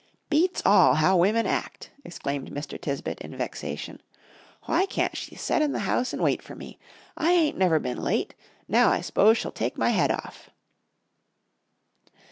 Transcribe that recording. "Beats all how women act," exclaimed Mr. Tisbett, in vexation. "Why can't she set in th' house and wait for me? I ain't never been late. Now I s'pose she'll take my head off."